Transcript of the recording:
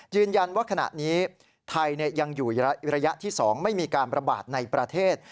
ยืนยันว่าขณะนี้ไทยยังอยู่ระยะที่๒ไม่มีการประบาดในประเทศ